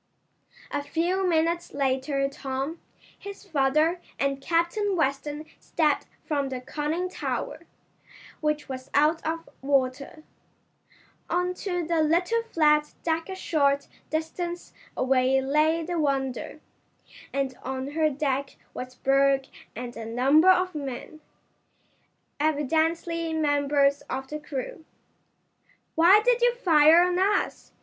A few minutes later Tom, his father and Captain Weston stepped from the conning tower, which was out of water, on to the little flat deck a short distance away lay the Wonder, and on her deck was Berg and a number of men, evidently members of the crew. "Why did you fire on us?"